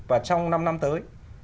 và trong năm năm tới